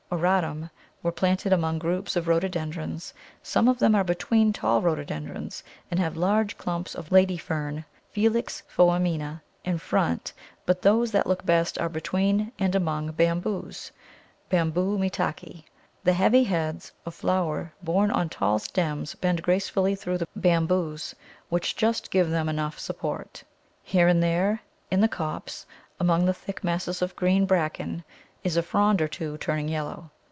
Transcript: auratum_ were planted among groups of Rhododendrons; some of them are between tall Rhododendrons, and have large clumps of Lady Fern (Filix foemina) in front, but those that look best are between and among Bamboos (B. Metake); the heavy heads of flower borne on tall stems bend gracefully through the Bamboos, which just give them enough support. Here and there in the copse, among the thick masses of green Bracken, is a frond or two turning yellow.